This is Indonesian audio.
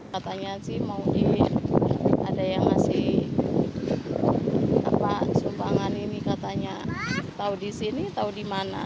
katanya sih mau di ada yang ngasih apa sumpangan ini katanya tau di sini tau di mana